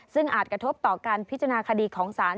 ซึ่งอาจกระทบต่อการพิจารณาคดีของศาล